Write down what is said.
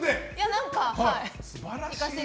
何か、はい。